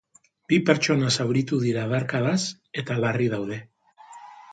Bi pertsona zauritu dira adarkadaz, eta larri daude.